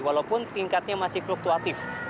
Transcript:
walaupun tingkatnya masih fluktuatif